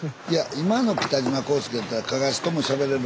今の北島康介やったらかかしともしゃべれる。